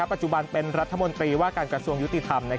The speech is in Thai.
ปัจจุบันเป็นรัฐมนตรีว่าการกระทรวงยุติธรรม